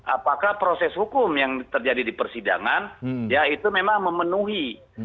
apakah proses hukum yang terjadi di persidangan ya itu memang memenuhi